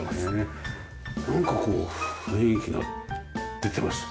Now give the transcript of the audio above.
なんかこう雰囲気が出てます。